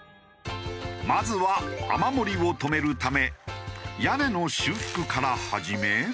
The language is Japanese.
まずは雨漏りを止めるため屋根の修復から始め。